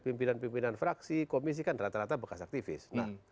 pimpinan pimpinan fraksi komisi kan rata rata bekas aktivis